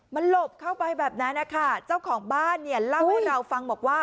มันหลบเข้าไปแบบนั้นนะคะเจ้าของบ้านเนี่ยเล่าให้เราฟังบอกว่า